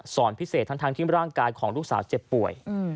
พิเศษทั้งที่ร่างกายของลูกสาวเจ็บป่วย